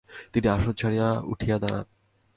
তিনি আসন ছাড়িয়া উঠিয়া দাঁড়ান।